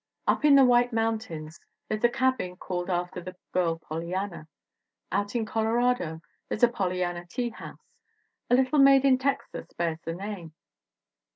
Up in the White Mountains there's a cabin called after the girl Pollyanna. Out in Colorado there's a Pollyanna teahouse. A little maid in Texas bears the name.